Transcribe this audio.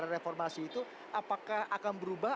reformasi itu apakah akan berubah